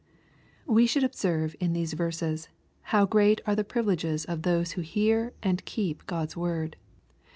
We should observe in these verses how great are the privileges of those who hear and keep God's word.